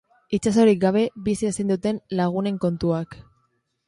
Itsasorik gabe bizi ezin duten lagunen kontuak.